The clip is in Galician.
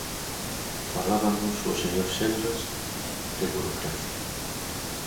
Falábanos o señor Senras de burocracia.